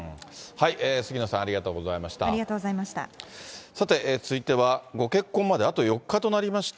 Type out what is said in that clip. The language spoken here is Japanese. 杉野さん、ありがとうございました。